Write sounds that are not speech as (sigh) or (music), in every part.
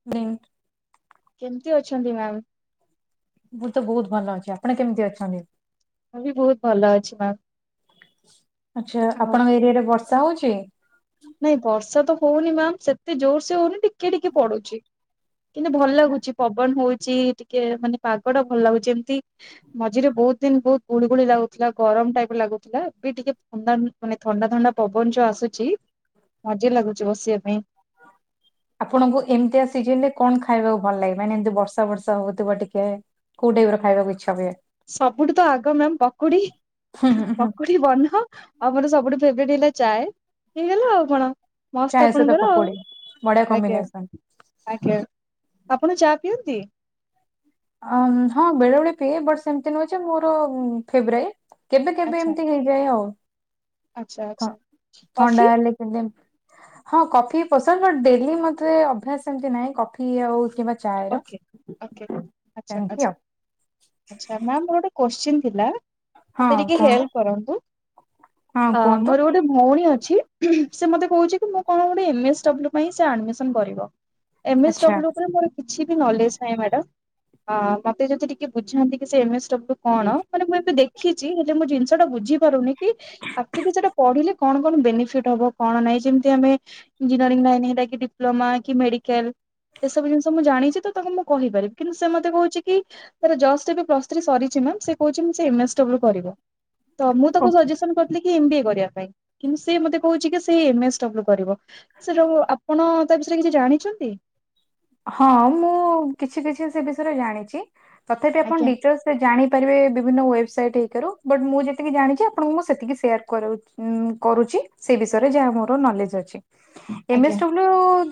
(unintelligible) କେମତି ଅଛନ୍ତି ମ୍ୟାମ୍? ମୁଁ ତ ବହୁତ ଭଲ ଅଛି। ଆପଣ କେମିତି ଅଛନ୍ତି? ମୁଁ ବି ବହୁତ ଭଲ ଅଛି ମ୍ୟାମ। ଆଚ୍ଛା ଆପଣଙ୍କ ଏରିଆରେ ବର୍ଷା ହଉଛି? ନାଇଁ ବର୍ଷା ତ ହଉନି ମ୍ୟାମ। ସେତେ ଜୋର୍ ସେ ହଉନି ଟିକେ ଟିକେ ପଡୁଛି। କିନ୍ତୁ ଭଲ ଲାଗୁଛି ପବନ ହଉଛି ଟିକେ ମାନେ ପାଗଟା ଭଲ ଲାଗୁଛି। ଏମିତି ମଝିରେ ବହୁତ ଦିନ ବହୁତ ଗୁଳି ଗୁଳି ଲାଗୁଥିଲା ଗରମ ଟାଇପ ଲାଗୁଥିଲା। ଏ ବି ଟିକେ ଥଣ୍ଡା ମାନେ ଥଣ୍ଡା ଥଣ୍ଡା ପବନ ଯୋଉ ଆସୁଛି ମଜା ଲାଗୁଚି ବସିବା ପାଇଁ। ଆପଣଙ୍କୁ ଏମିତିଆ ସିଜନରେ କଣ ଖାଇବାକୁ ଭଲ ଲାଗେ? ମାନେ ଏମିତି ବର୍ଷା ବର୍ଷା ହଉଥିବ ଟିକେ। କୋଉ ଟାଇପର ଖାଇବାକୁ ଇଚ୍ଛା ହୁଏ? ସବୁଠୁ ତ ଆଗ ମ୍ୟାାମ ପକୁଡି। ହୁଁ ହୁଁ ହୁଁ ପକୁଡି ବନ। ଆଉ ମୋର ସବୁଠୁ ଫେବରାଇଟ ହେଲା ଚାଏ ହେଇଗଲା ଆଉ କଣ। ମସ୍ତ ଚାହା ସହିତ ଆପଣଙ୍କର ଆଉ। ପକୋଡି ବଢିଆ କମ୍ବିନେସନ। ଆପଣ ଚା ପିଅନ୍ତି? ଅ ହଁ ବେଳେ ବେଳେ ପିଏ ବଟ ସେମିତି ନୁହେଁ ଯେ ମୋର ଫେବ୍ରାଇ। କେବେ କେବେ ଆଚ୍ଛା ଏମତି ହେଇ ଯାଏ ଆଉ। ଆଚ୍ଛା ଥ ଆଚ୍ଛା। କଫି ଥଣ୍ଡା ହେଲେ କେବେ। ହଁ କଫି ପସନ୍ଦ ବ ଡେଲି ମତେ ଅଭ୍ୟାସ ଏମିତି ନାହିଁ କଫି ଆଉ କି ଚାରର ଓକେ ସେମିତି ଆ ଆଛା ମ୍ୟାାମ ମୋର ଗୋଟେ କଶ୍ଚିନ୍ ଥିଲା ହଁ ମତେ ଟିକେ କୁହନ୍ତୁ ହେଲ୍ପ କରନ୍ତୁ। ହଁ ଅ କୁହନ୍ତୁ ମରୁ ଗୋ ଭଉଣୀ ଅଛି ସେ ମତେ କହୁଛି କି ମୁଁ କଣ ଗୋଟେ ଏମଏସ୍ଡବ୍ ଆଡମିସନ କରିବ। ଏମ ଏସ୍ ଆଚ୍ଛା ଡବ୍ଲୁ ଉପରେ ମୋର କିଛି ବି ନଲେଜ ନାହିଁ ମ୍ୟାଡମ୍। ହଁ ମତେ ଯଦି ଟିକେ ବୁଝାନ୍ତି କି ସେ ଏମ ଏସ୍ଡବ୍ଲୁ କଣ ମାନେ ମୁଁ ଏବେ ଦେଖିଛି। ହେଲେ ମୁଁ ଜିନିଷ ଟା ବୁଝି ପାରୁନି କି? ଆଖ ସେଟା ପଢିଲେ କଣ କଣ ବେନିଫିଟ ହବ କଣ ନାହିଁ ଯେମିତି ଆମେ ଇଞଜିନିୟରିଂ ଲାଇନ ହେଇଲା କି ଡିପ୍ଲୋମା କି ମେଡିକାଲ ଏ ସବୁ ଜିନି। ମୁଁ ଜାଣିଛି ତ ତାକୁ ମୁଁ କହିପାରିବି କିନ୍ତୁ ସେ ମତେ କହୁଛି କି ସେ ଜଷ୍ଟ ଏବେ ପ୍ଲସ୍ ଥ୍ରୀ ସରିଛି ମ ସେ କହୁଛି ସେ ଏମଏସ୍ ଡବଲୁ କରିବ ତ ମୁଁ ଓ ତାକୁ ସଜେସନ। ଏମ ବିଏ କରିବା ପାଇଁ କିନ୍ତୁ ସେ ମୋତେ କହୁଛି କି ସେ ଏମଏସ୍ ଡବ୍ଲୁ କରିବ। ସେଟୁ ଆପଣ ତା ବିଷୟରେ କିଛି ଜାଣିଛନ୍ତି। ହଁ ମୁଁ କିଛି କିଛି ସେ ବିଷୟରେ ଜାଣିଛି ତଥାପି ଆପଣ ଆଜ୍ଞା ଡିଟେଲସ ସେ ଜାଣିପାରିବେ ବିଭିନ୍ନ ୱେବସାଇଟ୍ ହେଇକାରୁ ବଟ୍ ମୁଁ ଯେତିକି ଜାଣିଛି ଆପଣଙ୍କୁ ମୁଁ ସେତିକି ସେୟାର କରାଉଛି। କରୁଛି ସେ ବିଷୟରେ ଯାହା ମୋର ନଲେଜ୍ ଅଛି। ଏମ ଏସ୍ ଆଜ୍ଞା ଡବ୍ଲୁ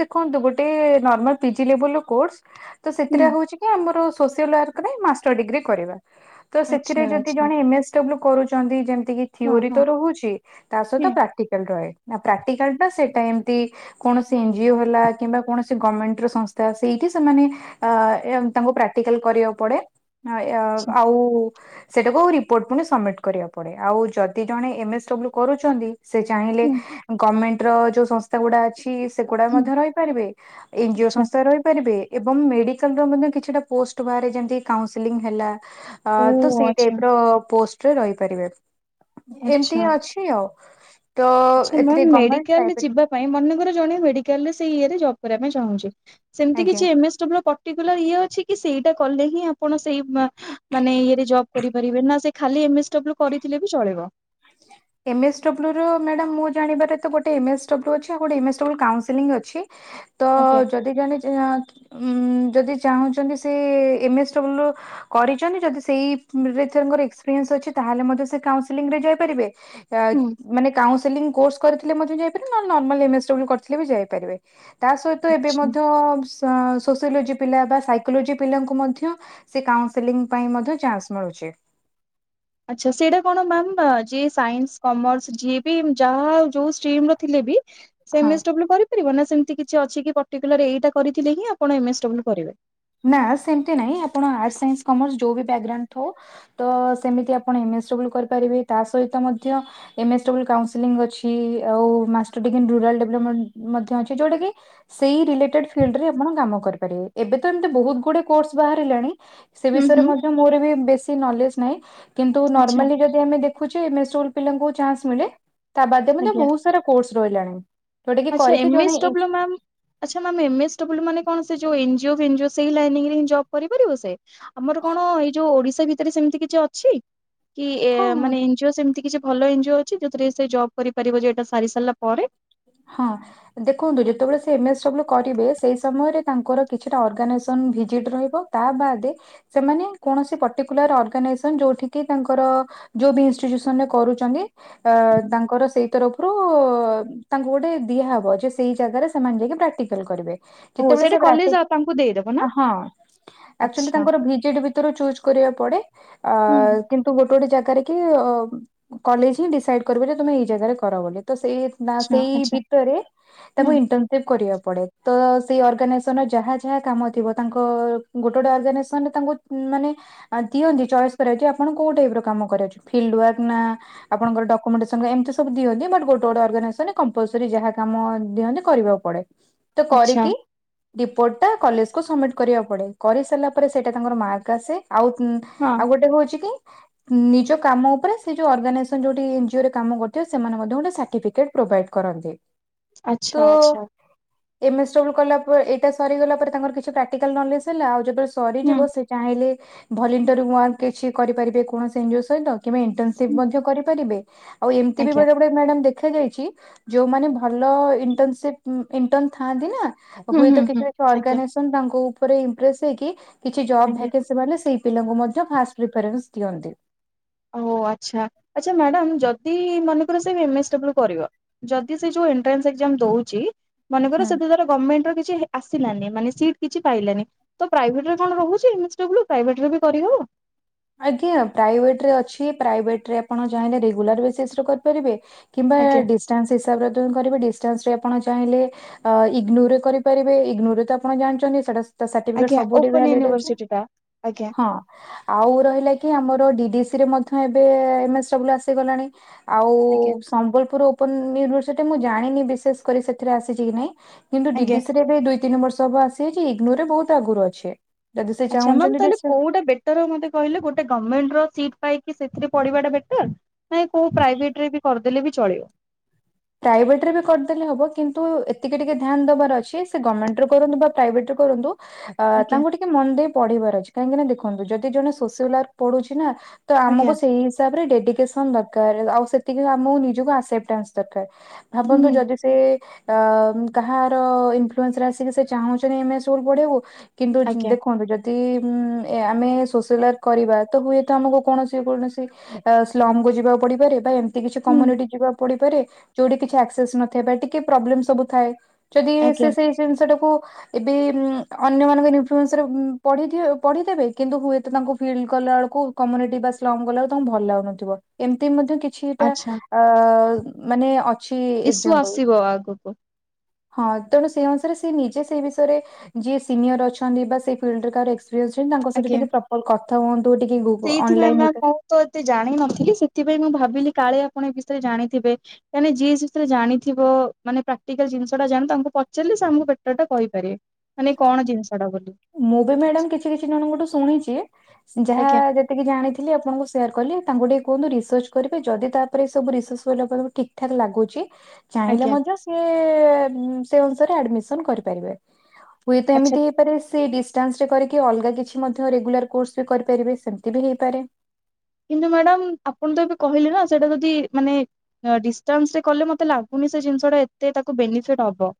ଦେଖନ୍ତୁ ଗୋଟେ ନର୍ମାଲ ପିଜି ଲେଭେଲ୍ ର କୋର୍ସ। ତ ହୁଁ ସେଟା ହଉଛି କି ଆମର ସୋସିଆଲ ୱାର୍କରେ ମାଷ୍ଟର ଡିଗ୍ରୀ କରିବ। ତ ସେଥିରେ ଆଚ୍ଛା ଯଦି ଆଚ୍ଛା ଜଣେ ଏମ ଏସ୍ ଡବ୍ଲୁ କରୁଛନ୍ତି ଯେମିତି କିି ହଁ ଥିଓର ହଁ। ତ ରହୁଛି ତା ସହିତ ହୁଁ ପ୍ରାକ୍ଟିକାଲ ରହେ। ନା ପ୍ରାକ୍ଟିକାଲ ଟା ସେଇଟା ଏମତି କୌଣସି ଏନଜିଓ ହେଲା କିମ୍ବା କୌଣସି ଗମଣ୍ଟ ସଂସ୍ଥା ସେଇଠି ସେମାନେ ଅ ତାଙ୍କୁ ପ୍ରାକ୍ଟିକାଲ କରିବାକୁ ପଡେ ଆଚ୍ଛା ଆଉ ସେଇଟାକୁ ରିପୋର୍ଟ ପୁଣି ସବମିଟ୍ କରିବାକୁ ପଡ଼େ ଆଉ ଯଦି ଜଣେ ଏମଏସ୍ ଡବ୍ଲ୍ୟୁ କରୁଛନ୍ତି। ସେ ଚାହିଁଲେ ହୁଁ ଗଭର୍ଣମେଣ୍ଟ ର ଯୋଉ ସଂସ୍ଥା ଗୁଡା ଅଛି। ସେଗୁଡା ହୁଁ ମଧ୍ୟ ରହିପାରିବେ ଏଇ ଯୋ ଆଚ୍ଛା ରହିପାରିବେ ଏବଂ ମେଡ଼ିକାଲର କିଛି ଟା ପୋଷ୍ଟ ବାହାରେ ଯେମିତି କୌଣସିଲିଂ ହେଲା ଆ ଓ ତ ସେଇ ଆଚ୍ଛା ଟାଇପ ର ପୋଷ୍ଟରେ ରହିପାରିବେ ଏମତି ଆଚ୍ଛା। ହିଁ ଅଛି। ଆଉ ତ ଆଚ୍ଛା ମ୍ୟାମ୍ ଏଥିରେ ଗଣମେଣ୍ଟ ମେଡିକାଲରେ ପ୍ରାଇଭେଟ। ଯିବା ପାଇଁ ମନେକର ଜଣେ ମେଡିକାଲରେ ସେଇ ଇଏ ରେ ଜବ କରିବା ପାଇଁ ଚାହୁଁଛି ସେମିତି ଆଜ୍ଞା କିଛି ଏମ ଏସ ଟବଲ ପ ଟିକୁଲାର ଇଏ ଅଛି କି ସେଇଟା କଲେ ହିଁ ଆପଣ ସେଇ ମା ମାନେ ଇଏ ରେ ଜବ କରିପାରିବେ ନା ସେ ଖାଲି ଏମଏସ୍ ଡବ୍ଲ୍ୟୁ କରିଥିଲେ ବି ଚଳେଇବ। ଆସିଲେ। ଏମ୍ଏସ୍ ଡବ୍ଲୁ ର ମ୍ୟାଡାମ ମୁଁ ଜାଣିବାରେ ତ ଗୋଟେ ଏମ ଏସ ଡବ୍ଲୁ ଅଛି ଆଉ ଗୋଟେ ଏମ ଏସ ଡବ୍ଲୁ କାଉନସିଲଂ ଅଛି। ତ ଆଜ୍ଞା ଯଦି ଜଣେ ଜା କି ଉ ଯଦି ଚାହୁଁଛନ୍ତି ସେ ଏମ ଏସ ଦବ୍ଲୁ କରିଛନ୍ତି ଯଦି ସେଇ ରେ ଥିରେ ତାଙ୍କର ଏକ୍ସପିରିଏନ୍ସ ଅଛି ତାହେଲେ ମଧ୍ୟ କାଉନସିଲିଂ ରେ ଯାଇପା ପାରିବେ ଆ ହୁଁ ମାନେ କାଉନସିଲିଂ କୋର୍ସ କରିଥିଲେ ମଧ୍ୟ ଯାଇପାରିବେେ ନହେଲେ ନର୍ମାଲ ଏମଏସ୍ ଡବ୍ଲୁ କରିଥିଲେ ବି ଯାଇପାରିବେ। ତା ସହିତ ଏବେ ଆଚ୍ଛା। ମଧ୍ୟ ସ ସୋସିଓଲୋଜି ପିଲା ବା ସାଇକୋଲୋଜି ପିଲାଙ୍କୁ ମଧ୍ୟ ସେ କାଉସେଲିଂ ପାଇଁ ମଧ୍ୟ ଚାନ୍ସ ମିଳୁଛି। ଆଛା ସେଇଟା କଣ ମ୍ୟାାମ ଯିଏ ସାଇନ୍ସ କମର୍ସ ଯିଏ ବି ଯାହା ଯୋଉ ଷ୍ଟିମ ର ଥିଲେ ବି ସେ ହଁ। ଏମଏସ୍ ଡବ୍ଲ୍ୟୁ କରିପାରିବ ନା ସେମିତି କିଛି ଅଛି କି ପର୍ଟିକୁଲାର ଏଇଟା କରିଥିଲେ ହିଁ ଆପଣ ଏମଏଡ଼ବ୍ଲୁ କରିବେ। ନା ସେମିତି ନାଇଁ ଆପଣ ଆର୍ଟସ ସାଇନ୍ସ କମର୍ସ ଯୋଉ ବ୍ୟାଗ୍ରାଉଣ୍ଡ ଥାଉ। ତ ସେମିତି ଆପଣ ଏମଏସ୍ ଡବ୍ଲୁ କରିପାରିବେ। ତା ସହିତ ମଧ୍ୟ ଏମଏସ୍ ଡବ୍ଲୁ କାଉଁସିଲିଂ ଅଛି। ଆଉ ମାଷ୍ଟର ଡିଗ୍ରୀ ରୁରାଲ ଡେବ୍ଲପମେଣ୍ଟ ଅଛି। ଯୋଉଟା କି ସେଇ ରିଲେଟେଡ ଫିଲଡ୍ ରେ ଆପଣ କାମ କରିପାରିବେ। ଏବେ ତ ଏମତି ବହୁତ ଗୁଡ଼େ କୋର୍ସ ବାହାରିଲାଣି। ସେ ହୁଁ ବିଷୟରେ ହୁଁ ମଧ୍ୟ ମୋର ବି ବେଶୀ ନଲେଜ ନାଇଁ। କିନ୍ତୁ ଆଚ୍ଛା ନର୍ମାଲି ଯଦି ଆମେ ଦେଖୁଛେ ଏମ୍ ଏସ୍ ଡବ୍ଲୁ ପିଲାଙ୍କୁ ଚାନ୍ସ୍ ମିଳେ। ତା ବାଦେ ଏମାନେ ଆଜ୍ଞା ବହୁ ତାର କୋର୍ସ ରହିଲାଣି। ଯୋଉଟା କି ଆଚ୍ଛା କରିକି ଏମଏସ୍ ଜଣେ ଡବ୍ଲୁ ମ୍ୟାମ୍ ଆଚ୍ଛା ମାମ ଏମ୍ ଏସ୍ ଡବ୍ଲୁ ମାନେ କଣ ସେ ଯୋଉ ଏନଜିଓ ଫେନଜିଓ ସେଇ ଲାଇନରେ ଜବ କରିପାରିବ ସେ। ଆମର କଣ ଏଇ ଯୋଉ ଓଡିଶା ଭିତରେ ସେମିତି କିଛି ଅଛି? କି ଏ ହଁ ମାନେ ଝିଅ ସେମତି କିଛି ଭଲ ଏନଜିଓ ଅଛି ଜଉଥିରେ ସେ ଜବ୍ କରିପାରିବ ଯେ ଏଟା ସାରି ସାରିଲା ପରେ। ହଁ। ଦେଖନ୍ତୁ ଯେତେବେଳେ ସେ ଏମ୍ ଏସ୍ ଡବ୍ଲୁ କରିବେ ସେଇ ସମୟରେ ତାଙ୍କର କିଛିଟା ଅର୍ଗାନାଇଜେସନ ଭିଜିଟ୍ ରହିବ। ତା ବାଦେ ସେମାନେ କୌଣସି ପଟିକୁଲାର ଅର୍ଗାନାଇସନ ଯୋଉଠିକିି ତାଙ୍କର ଯୋଉ ବି ଇନଷ୍ଟିଚୁସନରେ କରୁଛନ୍ତି ଅ ତାଙ୍କର ସେଇ ତରଫରୁ ତାଙ୍କୁ ଗୋଟେ ଦିଆହବ ଯେ ସେଇ ଜାଗାରେ ସେମାନେ ଯାଇକି ପ୍ରାକ୍ଟିକାଲ କରିବେ। ହ ସେଇଟା କଲେଜ ଆଉ ତାଙ୍କୁ ଦେଇଦବ ନା ଆ ହଁ। ଆକଚୁଆଲି ଆଚ୍ଛା ତାଙ୍କର ଭିଜିଟ ଭିତୁରୁ ଚୁଜ୍ କରିବାକୁ ପଡେ। ଅ ହୁଁ କି ତୁ ଗୋଟେ ଗୋଟେ ଜାଗାରେ କି ଅ କଲେଜ ହି ଡିସାଇଡ କରିବ ତମେ ଏଇ ଜାଗାରେ କର ବୋଲି। ତ ସେଇ ନା ଆଚ୍ଛା ସେଇ ଆଚ୍ଛା ଭିତରେ ହୁଁ। ତାଙ୍କୁ ଇଣ୍ଟନ ସେବ କରିବାକୁ ପଡେ। ତ ସେଇ ଅର୍ଗା ନାଇଜେସନର ଯାହା ଯାହା କାମ ଥିବ ତାଙ୍କ ଗୋଟେ ଗୋଟେ ଅର୍ଗାନାଇଶନ ତାଙ୍କୁ ମାନେ ଅ ଦିଅନ୍ତି ଚଏସ୍ କରିଆଉ ଯେ ଆପଣ କୋଉ ଟାଇପର କାମ କରାଉଛି ଫିଲ୍ଡ ୱାର୍ ନା ଆପଣଙ୍କର ଡକୁମେଣ୍ଟସନ ଏମତି ସବୁ ଦିଅନ୍ତି। ବଟ ଗୋଟ ଗୋଟ ଅର୍ଗାନାଇସନରେ କମ୍ପଲସରୀ ଯାହା କାମ ଦିଅନ୍ତି କରିବାକୁ ପଡେ। ତ ଆଚ୍ଛା କରିକି ରିପୋର୍ଟା କଲେଜ କୁ ସବମିଟ କରିବାକୁ ପଡେ। କରି ସାରିଲା ପରେ ସେଇଟା ତାଙ୍କର ମାର୍କ ଆସେ। ଆଉ ହଁ। ଆଉ ଗୋଟେ ହଉଛି କି ନିଜ କାମ ଉପରେ ସେ ଯଉ ଅର୍ଗାନାଇଜେସନ ଯୋଉଠି ଏନ୍ ଜିଓ ରେ କାମ କରୁଥିବ ସେମାନେ ମଧ୍ୟ ଗୋଟେ ସାର୍ଟିଫିକେଟ ପ୍ରୋଭାଇଡ କରନ୍ତି। ଆଚ୍ଛା ତୋ ଆଚ୍ଛା ଏମ ଏସ୍ ଡବ୍ଲୁ କଲା ପ ଏଇଟା ସରିଗଲା ପରେ ତାଙ୍କର କିଛି ପ୍ରାକ୍ଟିକାଲ ନଲେଜ ହେଲା ଆଉ ଯେବେ ହୁଁ ସରିଯିବ ସେ ଚାହିଁଲେ ଭଲିଣ୍ଟିର ଉଆଁକି କିଛି କରିପାରିବେ କୌଣସି ଏନଜିଓ ସହିତ କିମ୍ବା ଇଣ୍ଟନସିପ୍ ହୁଁ ମଧ୍ୟ କରିପାରିବେ। ଆଉ ଏମତି ବି ଆଜ୍ଞା ବେଳେ ବେଳେ ମ୍ୟାଡାମ ଦେଖାଯାଇ ଯୋଉମାନେ ଭଲ ଇଣ୍ଟନସିପ ଇଣ୍ଟନ ଥାଆନ୍ତି ନା ହୁଁ ହୁଏତ ହୁଁ କିଛି ହୁଁ କିଛି ଆଜ୍ଞା ଅଗାନାଇସନ ତାଙ୍କ ଉପରେ ଇମପ୍ରେସ ହେଇକି କିଛି ଜବ ଆଜ୍ଞା। ଭ୍ୟାକେ ସେମାନେ ସେଇ ପିଲାଙ୍କୁ ମଧ୍ୟ ଫାଷ୍ଟ ପ୍ରିଫରେନ୍ସ ଦିଅନ୍ତି। ଓ ଆଚ୍ଛା ଆଚ୍ଛା ମ୍ୟାଡ଼ାମ ଯଦି ମନେକର ସେ ଏମ ଏସ ଡବ୍ଲୁ କରିବ। ଯଦି ସେ ଯୋଉ ଏଣ୍ଟ୍ରାନ୍ସ ଏଗଜାମ ଦଉଛି ମନେକର ହୁଁ। ସେ ତ ତାର ଗମେଣ୍ଟର କିଛି ହେ ଆସିଲାନି ମାନେ ସିଟ କିଛି ପାଇଲାନି। ତ ପ୍ରାଇଭେଟରେ କଣ ରହୁଛି ଏମ ଏସ ଡବ୍ଲୁ ପ୍ରଭେଟରେ ବି କରିହବ? ଆଜ୍ଞା ପ୍ରାଇଭେଟରେ ଅଛି ପ୍ରାଇଭେଟ ରେ ଆପଣ ଚାହିଁଲେ ରେଗୁଲାର ବେସିସ ରେ କରିପାରିବେ। କିମ୍ବା ଆଜ୍ଞା ଡିଷ୍ଟାନ୍ସ ହିସାବରେ ତ କରିବେ। ଡିଷ୍ଟାନ୍ସରେ ଆପଣ ଚାହିଁଲେ ଅ ଇଗ୍ନୋରରେ କରିପାରିବେ। ଇଗନୋ ରେ ତ ଆପଣ ଜାଣିଛନ୍ତି ସେଇଟା ତ ସାର୍ଟିଫିକେଟ ଆଜ୍ଞା ସବୁଠି ଓପନ ଭ୍ୟାଲିଡ ଅଛି ୟୁନିଭରସିଟି ଟା ଆଜ୍ଞା ହଁ। ଆଉ ରହିଲା କି ଆମର ଡିଡିସି ରେ ମଧ୍ୟ ଏବେ ଏମ ଏସ ଡବ୍ଲୁ ଆସିଗଲାଣି। ଆଉ ଆଜ୍ଞା ସମ୍ବଲପୁର ଓପନ୍ ୟୁନିଭର୍ସିଟି ମୁଁ ଜାଣିନି ବିଶେଷ୍ କରି ସେଥିରେ ଆସିଚି କି ନାଇଁ କିନ୍ତୁ ଆଜ୍ଞା। ଡିଡିଶ୍ ରେ ଏବେ ଦୁଇ ତିନି ବର୍ଷ ହବ ଆସିଯାଇଚି ଇଗ୍ନୋ ରେ ବହୁତ୍ ଆଗରୁ ଅଛି। ଯଦି ସେ ଆଚ୍ଛା ମାମ୍ ଚାହୁଁଛନ୍ତି ତାହାଲେ ଡିଷ୍ଟାନ୍ସ କଉଟା ବେ ତାପରେ ମୋତେ କହିଲେ ଗୋଟେ ଗମେଣ୍ଟ୍ ର ସିଟ୍ ପାଇକି ସେଥିରେ ପଢିବା ଟା ବେଟର୍ ନାଇଁ କଉ ପ୍ରାଇଭେଟ୍ ରେ ବି କରିଦେଲେ ବି ଚଳିବ? ପ୍ରାଇଭେଟ୍ ରେ ବି କରିଦେଲେ ହବ କିନ୍ତୁ ଏତିକି ଟିକେ ଧ୍ୟାନ୍ ଦବାର ଅଛି ସେ ଗର୍ମେଣ୍ଟ୍ କରନ୍ତୁ ବା ପ୍ରାଇଭେଟ୍ ରେ କରନ୍ତୁ ଅ- ଆଜ୍ଞା ତାଙ୍କୁ ଟିକେ ମନ ଦେଇ ପଢିବାର ଅଛି କାହିଁକି ନା ଦେଖନ୍ତୁ ଯଦି ଜଣେ ସୋସିଆଲ୍ ୱାର୍କ୍ ପଢୁଚି ନା ତ ଆଜ୍ଞା ଆମକୁ ସେଇ ହିସାବ ରେ ଡେଡିକେସନ ଦରକାର୍ ଆଉ ସେତିକି ଆମକୁ ନିଜକୁ ଆକ୍ସେପ୍ଟାନ୍ସ ଦରକାର୍ ହୁଁ ଭାବନ୍ତୁ ଯଦି ସେ ସେ -ଆ- କାହାର ଇନଫ୍ଲୁଏନ୍ସ ରେ ଆସିକି ସେ ଚାହୁଁଚନ୍ତି (unintelligible) ପଢେଇବୁ କିନ୍ତୁ ଆଜ୍ଞା ଦେଖନ୍ତୁ ଯଦି ଯଦି ଉଁ- ଏ-ଆମେ ସୋସିଆଲ ୱାର୍କ କରିବା ତ ହୁଏତ ଆମକୁ କୌଣସି -କୌଣସି (unintelligible) ଯିବାକୁ ପଡିପାରେ ବା ଏମ୍ ତି କିଛି ହୁଁ କମ୍ୟୁନିଟି ଯିବାକୁ ପଡିପାରେ ଯଉଠି କିଛି ଆସେସ୍ ନଥାଏ ବା ଟିକେ ପ୍ରୋବ୍ଲେମ୍ ସବୁ ଥାଏ ଯଦି ଇଏ ସେ ଆଜ୍ଞା ସେଇ ଜିନିଷଟାକୁ ଏବେ ଅନ୍ୟମାନଙ୍କ ଇନଫ୍ଲୁଏନ୍ସ ରେ ଉଁ- ପଢି ଥିବେ -ପଢିଥିବେ କିନ୍ତୁ ହୁଏତ ତାଙ୍କୁ ଫିଲ୍ କଲାବେଳକୁ କମ୍ୟୁନିଟି ବା ସ୍ଲନ୍ଗ ଗଲା ବେଳକୁ ତାଙ୍କୁ ଭଲ ଲାଗୁନଥିବ ଏମତି ମଧ୍ୟ କି କିଛିଟା ଆଚ୍ଛା। ଆ-ମାନେ ଅଛି ଇସୁ ଏକ୍ଜାମ୍ପ୍ଲ୍ ଆସିବ ଆଗକୁ। ହଁ ତେଣୁ ସେଇ ଅନୁସାରେ ସେ ନିଜେ ସେଇ ବିଷୟରେ ଯିଏ ସିନିଅର୍ ଅଛନ୍ତି ବା ସେ ଫିଲ୍ଡ୍ ରେ କାହାର ଏକ୍ସ୍ (unintelligible) ତାଙ୍କ ସହିତ ଆଜ୍ଞା। ଟିକେ ପ୍ରପର୍ କଥା ହୁଅନ୍ତୁ ଟିକେ ସେଇଥିପାଇଁ ଗୁ-ଅନଲାଇନ୍ ମ୍ୟାମ ହେରିକା। ମୁଁ ତ ଏତେ ଜାଣିନଥିଲି ସେଥିପାଇଁ ମୁଁ ଭାବିଲି କାଳେ ଆପଣ ଏ ବିଷୟରେ ଜାଣିଥିବେ। କାଣି ଯିିଏ ସେଥେରେ ଜାଣିଥିବ ମାନେ ପ୍ରାକ୍ଟିକାଲ୍ ଜିନିଷ ଟା ଜାଣ ତାଙ୍କୁ ପଚାରିଲେ ସେ ଆମକୁ ବେଟର୍ ଟା କହିପାରିବେ। ମାନେ କଣ ଜିନିଷ ଟା ବୋଲି। ମୁଁ ବି ମ୍ୟାଡାମ୍ କିଛି କିଛି ଜଣଙ୍କଠୁ ଶୁଣିଚି ଯାହା ଆଜ୍ଞା ଟିକେ ଜାଣିଥିଲି ଆପଣଙ୍କୁ ସେୟାର୍ କଲି ତାଙ୍କୁ ଟିକେ କୁହନ୍ତୁ ରିସର୍ଚ୍ଚ କରିବେ ଯଦି ତାପରେ ସବୁ ରିସର୍ଚ୍ଚ କଲେ ଆପଣ ଠିକ୍ ଠାକ୍ ଲାଗୁଚି ଚାହିଁଲେ ଆଜ୍ଞା ମଧ୍ୟ ସିଏ ସେ ଅନୁସାରେ ଆଡମିସନ୍ କରିପାରିବେ। ହୁଏ ତ ଆଚ୍ଛା ଏମିତି ହେଇପାରେ ସେ ଡିଷ୍ଟାନ୍ସ ରେ କରିକି ଅଲଗା କିଛି ମଧ୍ୟ ରେଗୁଲାର୍ କୋର୍ସ ବି କରିପାରିବେ ସେମିତି ବି ହେଇପାରେ। କିନ୍ତୁ ମ୍ୟାଡାମ୍ ଆପଣ ତ ଏବେ କହିଲେ ନା ସେଇଟା ଯଦି ମାନେ ଡିଷ୍ଟାନ୍ସ ରେ କଲେ ମତେ ଲାଗୁନି ସେ ଜିନିଷ ଟା ଏତେ ତାକୁ ବେନିଫିଟ୍ ହବ।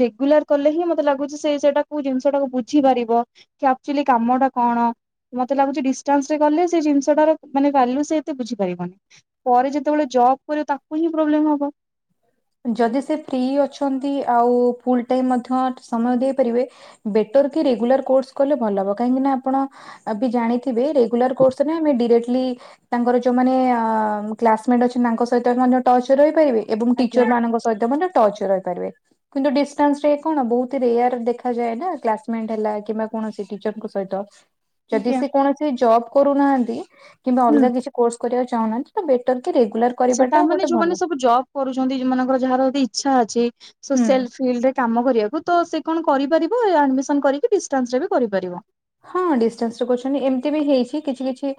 ରେଗୁଲାର କଲେ ହିଁ ମତେ ଲାଗୁଚି ସେ ସେଇଟା କଉ ଜିନିଷଟାକୁ ବୁଝିପାରିବ କି ଆକ୍ଚୁଆଲି କାମ ଟା କଣ ମତେ ଲାଗୁଚି ଡିଷ୍ଟାନ୍ସ୍ ରେ କଲେ ସେ ଜିନିଷଟାରେ ମାନେ ଭାଲ୍ୟୁ ସେ ଏତେ ବୁଝି ପାରିବନି ପରେ ଯେତେବେଳେ ଜବ୍ କରିବ ତାକୁ ହିଁ ପ୍ରୋବ୍ଲେମ୍ ହବ। ଯଦି ସେ ଫ୍ରି ଅଛନ୍ତି ଆଉ ଫୁଲ୍ ଟାଇମ୍ ମଧ୍ୟ ସମୟ ଦେଇପାରିବେ ବେଟର୍ କି ରେଗୁଲାର୍ କୋର୍ସ କଲେ ଭଲ ହବ କାହିଁକି ନା ଆପଣ ଆ -ବି ଜାଣିଥିବେ ରେଗୁଲାର୍ କୋର୍ସ ନା ଆମେ ଡିରେକ୍ଟଲି ତାଙ୍କର ଯଉମାନେ ଅ- କ୍ଲାସମେଟ୍ ଅଛନ୍ତି ତାଙ୍କ ସହିତ ବି ମଧ୍ୟ ଟଚ୍ ରେ ରହିପାରିବେ ଏବଂ ଆଜ୍ଞା ଟିଚର୍ ମାନଙ୍କ ସହିତ ମଧ୍ୟ ଟଚ୍ ରେ ରହିପାରିବେ। କିନ୍ତୁ ଡିଷ୍ଟାନ୍ସ୍ ରେ କଣ ବହୁତ୍ ରେୟାର ଦେଖାଯାଏ ନା କ୍ଲାସମେଟ୍ ହେଲା କିମ୍ବା କୌଣସି ଟିଚର୍ ଙ୍କ ସହିତ ଯଦି ଆଜ୍ଞା। ସେ କୌଣସି ଜବ୍ କରୁନାହାନ୍ତି କିମ୍ବା ହୁଁ ଅଲଗା କିଛି କୋର୍ସ କରିବାକୁ ଚାହୁନାହାନ୍ତି ତ ବେଟର୍ କି ରେଗୁଲାର୍ ଆଛା ତାମାନେ ଯଉମାନେ ସବୁ ଜବ୍ କରୁଚନ୍ତି ଯଉମାନଙ୍କର ଯାହାର ବି ଇଛା ଅଛି ହୁଁ। ସୋସିଆଲ୍ ଫିଲ୍ଡ୍ ରେ କାମ କରିବାକୁ ତ ସେ କଣ କରିପାରିବ, ଆଡମିସନ କରିକି ଡିଷ୍ଟାନ୍ସ ରେ ବି କରିପାରିବ। ହଁ ଡିଷ୍ଟାନ୍ସ ରେ କରଛନ୍ତି, ଏମିତି ବି ହେଇଛି କିଛି କିଛି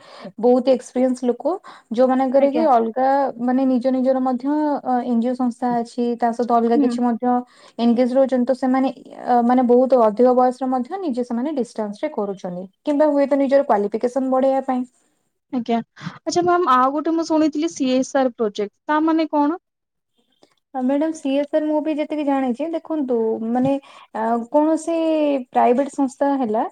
ବହୁତ ଏକ୍ସପେରିଏନ୍ସ ଲୋକ ଯୋଉମାନଙ୍କର କି ଆଜ୍ଞା। ଅଲଗା ମାନେ ନିଜ ନିଜର ମଧ୍ୟ ଏନଜିଓ ସଂ ଅଛି ତା ସହିତ ଅଲଗା ହୁଁ କିଛି ମଧ୍ୟ ଏନଗେଜ ରହୁଛନ୍ତି ତ ସେମାନେ, ମାନେ ବହୁତ ଅଧିକ ବୟସରେ ମଧ୍ୟ ନିଜେ ସେମାନେ (unintelligible) (unintelligible) କରୁଛନ୍ତି କିମ୍ବା ହୁଏତ ନିଜର କ୍ୱାଫିକସନ ବଢେଇବା ପାଇଁ ଆଜ୍ଞା, ଆଛା ମ୍ୟାମ୍ ଆଉ ଗୋଟେ ମୁଁ ଶୁଣିଥିଲି ସି ଏସ୍ ଆର୍ ପ୍ରୋଜେକ୍ଟ ତା ମାନେ କଣ? ମ୍ୟାଡାମ ସିଏ ସ ମୁଁ ବି ଯେତିକି ଜାଣିଛି ଦେଖନ୍ତୁ ମାନେ ଆ କୌଣସି ପ୍ରାଇଭେଟ ସଂସ୍ଥା ହେଲା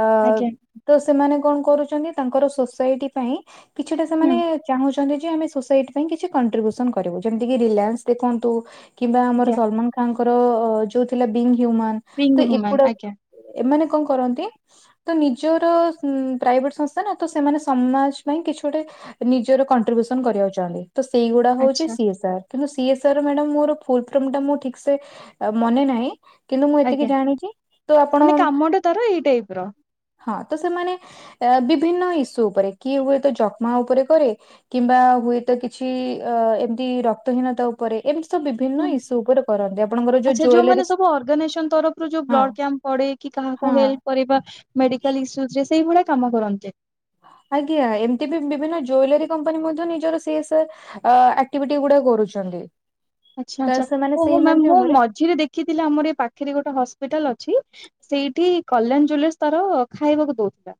ଆ ଆଜ୍ଞା ତ ସେମାନେ କଣ କରୁଛନ୍ତି ତାଙ୍କର ସୋସାଇଟି ପାଇଁ କିଛିଟା ହୁଁ ସେମାନେ ଚାହୁଁଛନ୍ତି, ଯେ ଆମେ ସୋସାଇଟି ପାଇଁ କିଛି କଣ୍ଟ୍ରିବ୍ୟୁସନ୍ କରିବୁ, ଯେମିତିକି ରିଲାଏନ୍ସ ଦେଖନ୍ତୁ କିମ୍ବା ଆମର ଆଜ୍ଞା ସଲମାନ ଖାନ୍ ଙ୍କର ଯୋଉ ଥିଲା ବିଙ୍ଗ ହ୍ୟୁମାନ ତ ରିଙ୍ଗ ହୁମାନ ଏଗୁଡା ଆଜ୍ଞା ଏମାନେ କଣ କରନ୍ତି ତ ନିଜର ପ୍ରାଇଭେଟ ସଂସ୍ଥା ନା, ତ ସେମାନେ ସମାଜ ପାଇଁ କିଛି ଗୋଟେ ନିଜର କଣ୍ଟ୍ରିବ୍ୟୁସନ କରିବାକୁ ଚାହାଁନ୍ତି, ତ ସେଇଗୁଡା ହଉଛି ଆଚ୍ଛା ସି ଏସ ଆର୍ କିନ୍ତୁ ସି ଏସ ର ମାଡାମ ମୋର ଫୁଲଫର୍ମ ଟା ମୁ ଠିକ ସେ ମାନେ ନାହିଁ କିନ୍ତୁ ମୁଁ ଏତିକି ଆଜ୍ଞା ଜାଣିଛି ତ ଆପଣ ମାନେ କାମଟା ତାର ଏଇ ଟାଇପ ର ହଁ ତ ସେମାନେ ବିଭିନ୍ନ ଇସ୍ୟୁ ଉପରେ, କିଏ ହୁଏ ତ ଯକ୍ମା ଉପରେ କରେ କିମ୍ବା ହୁଏତ କିଛି ଅ ଏମତି ରକ୍ତହୀନତା ଉପ ଏମିତି ସବୁ ହୁଁ। ବିଭିନ୍ନ ଇସ୍ୟୁ ଉପରେ କରନ୍ତି, ଆପଣଙ୍କର ଯୋଉ ଆଚ୍ଛା ଯୋଉମାନେ ଜୁଏଲାରି ସବୁ ଅର୍ଗାନାଇଜେସନ ତରଫରୁ ଯୋଉ ହଁ ବ୍ଲଡ କ୍ୟାମ୍ପ ପଡେ କି କାହାକୁ ହଁ ହେଲ୍ପ କରିବା, ମେଡିକାଲ ଇସୁସ ରେ ସେଇଭଳିଆ କାମ କରନ୍ତେ ଆଜ୍ଞା ଏମିତି ବି ବିଭିନ୍ନ ଜୁଏଲାରୀ କମ୍ପାନୀ ମଧ୍ୟ ନିଜର ସେଏ ଅ ଆକ୍ଟିଭିଟି ଗୁଡା କରୁଛନ୍ତି। ଆଚ୍ଛା ତ ଆଛା ସେମାନେ ଓହୋ ସେଇ ମୁଁ ମାଧ୍ୟମରେ ମଝିରେ ଦେଖିଥିଲି ଆମର ଏ ପାଖରେ ଗୋଟେ ହସ୍ପିଟାଲ ଅଛି ସେଇଠି କଲ୍ୟାଣ ଜୁଏଲର୍ସ ତାର ଖାଇବାକୁ ଦଉଥିଲା।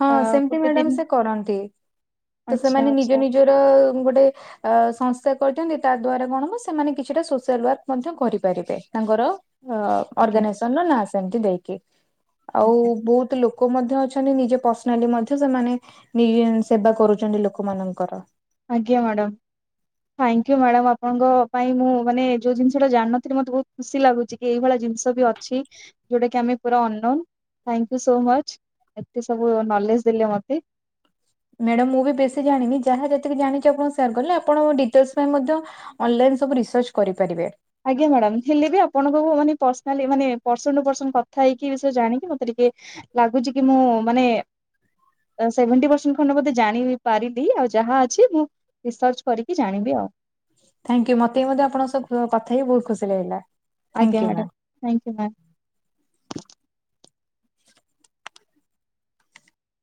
ହଁ ଆ ସେମିତି ଗୋଟେ ମ୍ୟାଡାମ ଦିନ ସେ କରନ୍ତି, ତ ଆଚ୍ଛା ସେମାନେ ଆଚ୍ଛା ନିଜ ନିଜର ଗୋଟେ ଅ ସଂସ୍ୟ କରିନ୍ତି ତା ଦ୍ଵାରା କଣ ହବ ସେମାନେ କିଛିଟା ସୋସିଆଲ ୱାର୍କ ମଧ୍ୟ କରିପାରିବେ, ତାଙ୍କର ଅ ଆଜ୍ଞା ଅର୍ଗାନାଇଜସନ ନା ସେମତି ଦେଇକି, ଆଉ ଆଜ୍ଞା ବହୁତ ଲୋକ ଲୋକ ମଧ୍ୟ ଅଛନ୍ତି, ନିଜେ ପର୍ସନାଲି ମଧ୍ୟ ସେମାନେ ନି ସେବା କରୁଛନ୍ତି ଲୋକମାନଙ୍କର। ଆଜ୍ଞା ମାଡ଼ାମ। Thank you madam. ଆପଣଙ୍କ ପାଇଁ ମୁଁ ମାନେ ଯୋଉ ଜିନିଷଟାଣିନଥିଲି ମତେବହୁତ ଖୁସି ଲାଗୁଛି କି ଏଇଭଳିଆ ଜିନିଷ ବି ଅଛି ଯୋଉଟା କି ଆମେ ପୁରା ଅନନ୍। Thank you so much. ଏତେ ସବୁ ନଲେଜ ଦେଲେ ମତେ ମ୍ୟାଡ଼ାାମ ମୁଁ ବି ବେଶୀ ଜାଣିନି, ଯାହା ଯେତିକି ଜାଣିଛି ଆପଣ ସେୟାର କଲେ, ଆପଣ ଡିଟେଲସସ ପାଇଁ ମଧ୍ୟ ଅନଲାଇନ ସବୁ ରିସର୍ଚ୍ଚ କରିପାରିବେ। ଆଜ୍ଞା ମ୍ୟାଡାମ। ହେଲେ ବି ଆପଣଙ୍କୁ ମାନେ ପର୍ସନାଲି ମାନେ ପର୍ସନ ଟୁ ପର୍ସନ କଥା ହେଇକି ବିଷୟରେ ଜାଣିକି ମତେ ଟିକେ ଲାଗୁଛି କି ମୁଁ ମାନେ ସେଭେଣ୍ଟି ପରସେଣ୍ଟ ଖଣ୍ଡେ ବୋଧେ ଜାଣି ପାରିନି ଆଉ ଯାହା ଅଛି ମୁଁ ରିସର୍ଚ୍ଚ କରିକି ଜାଣିବି ଆଉ। ଥାଙକ୍ୟୁ ମତେ ବି ମଧ୍ୟ ଆପଣଙ୍କ ସହ କଥା ହେଇକି ବହୁତ ଖୁସି ଲାଗିଲା। ଥ୍ୟାଙ୍କ ଆଜ୍ଞା you ma'am madam thank you ma'am.